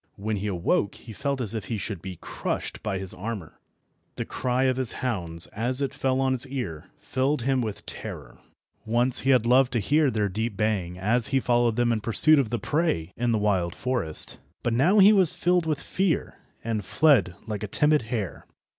When he awoke he felt as if he should be crushed by his armour. The cry of his hounds, as it fell on his ear, filled him with terror. Once he had loved to hear their deep baying as he followed them in pursuit of the prey in the wild forest, but now he was filled with fear, and fled like a timid hare.